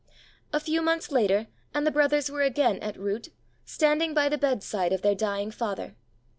A few months later, and the brothers were again at Wroote, standing by the bedside of their dying father.